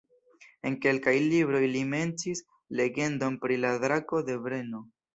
En kelkaj libroj li menciis legendon pri la Drako de Brno.